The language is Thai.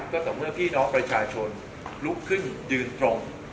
ก็ต่อเมื่อพี่น้องประชาชนลุกขึ้นยืนตรง